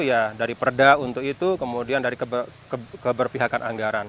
ya dari perda untuk itu kemudian dari keberpihakan anggaran